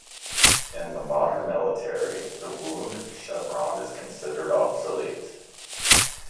In the modern military, the Wound Chevron is considered obsolete.